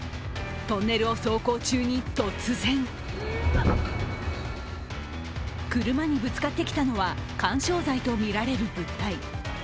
トンネルを走行中に突然車にぶつかってきたのは緩衝材とみられる物体。